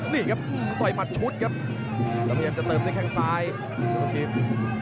นี่ครับต่อยหมัดชุดครับแล้วพยายามจะเติมด้วยแข้งซ้ายลูกชิ้น